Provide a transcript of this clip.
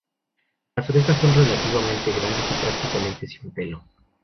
Las orejas son relativamente grandes y prácticamente sin pelo.